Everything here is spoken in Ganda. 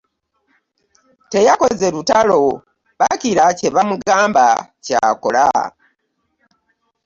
Teyakoze lutalo bakira kye bamugamba ky'akola.